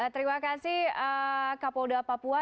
terima kasih kapolda papua